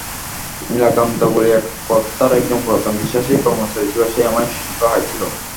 নীলকান্ত বলিয়া কর্তার একজন পুরাতন বিশ্বাসী কর্মচারী ছিল, সেই আমার সহায় ছিল।